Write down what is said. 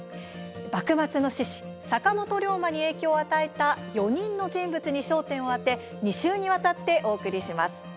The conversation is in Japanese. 幕末の志士坂本龍馬に影響を与えた４人の人物に焦点を当て２週にわたってお送りします。